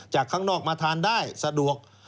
ข้างนอกมาทานได้สะดวก